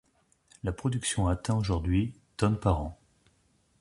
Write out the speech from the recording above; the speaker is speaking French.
La production atteint aujourd'hui tonnes par an.